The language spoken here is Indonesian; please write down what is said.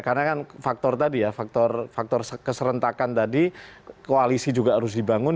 karena kan faktor tadi ya faktor keserentakan tadi koalisi juga harus dibangun